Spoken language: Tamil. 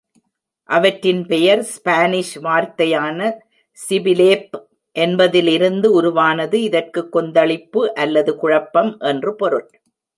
அவற்றின் பெயர் ஸ்பானிஷ் வார்த்தையான "ஸிபிஸேப்" என்பதிலிருந்து உருவானது, இதற்குக் "கொந்தளிப்பு" அல்லது "குழப்பம்" என்று பொருள்.